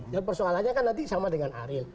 dan persoalannya kan nanti sama dengan ariel